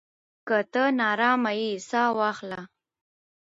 که ته ناارام يې، ساه واخله.